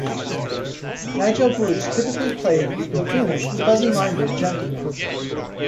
Nigel Bruce typically played buffoonish, fuzzy-minded gentlemen.